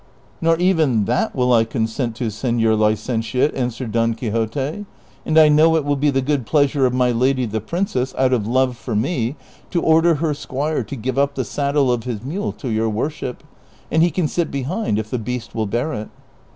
^" Nor even that will I consent to,^ senor licentiate," answered Don Quixote, " and I know it will be the good pleasure of my lady the princess, out of love for me, to order her squire to give vip the saddle of his mule to your worship, and he can sit behind if the beast will bear it."